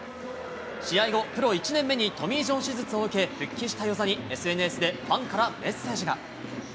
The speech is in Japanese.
試合後、プロ１年目にトミージョン手術を受け、復帰した與座に、ＳＮＳでファンからメッセージが。